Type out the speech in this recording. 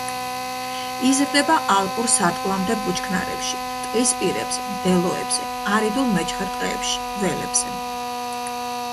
იზრდება ალპურ სარტყლამდე ბუჩქნარებში, ტყის პირებზე, მდელოებზე, არიდულ მეჩხერ ტყეებში, ველებზე.